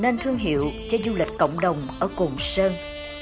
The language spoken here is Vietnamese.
nên thương hiệu cho du lịch cộng đồng ở cồn sơn